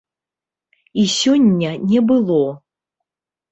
І сёння не было!